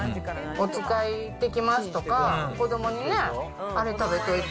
お使い行ってきますとか、子どもにね、あれ食べといて。